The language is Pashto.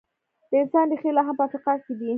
د انسان ریښې لا هم په افریقا کې دي.